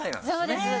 そうです